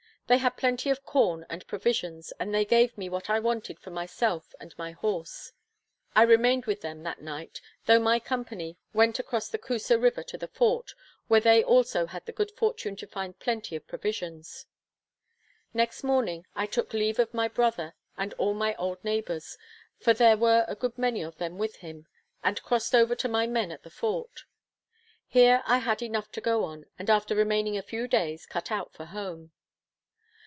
They had plenty of corn and provisions, and they gave me what I wanted for myself and my horse. I remained with them that night, though my company went across the Coosa river to the fort, where they also had the good fortune to find plenty of provisions. Next morning, I took leave of my brother and all my old neighbours, for there were a good many of them with him, and crossed over to my men at the fort. Here I had enough to go on, and after remaining a few days, cut out for home.